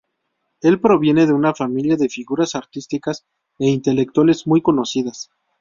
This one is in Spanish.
Él proviene de una familia de figuras artísticas e intelectuales muy conocidas.